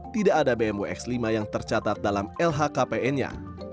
tidak ada bmw x lima yang tercatat dalam lhkpn nya